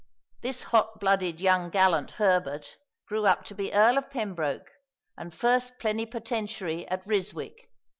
This hot blooded young gallant Herbert grew up to be Earl of Pembroke and first plenipotentiary at Ryswick.